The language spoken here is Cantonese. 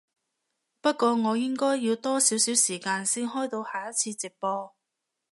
不過我應該要多少少時間先開到下一次直播